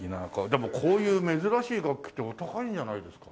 でもこういう珍しい楽器ってお高いんじゃないですか？